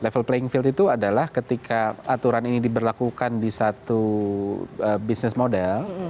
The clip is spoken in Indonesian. level playing field itu adalah ketika aturan ini diberlakukan di satu bisnis model